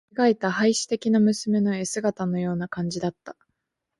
てえがいた、稗史的な娘の絵姿のような感じだった。